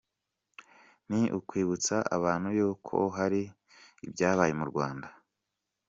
Ni ukwibutsa abantu y’uko hari ibyabaye mu Rwanda.